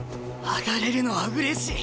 上がれるのはうれしい。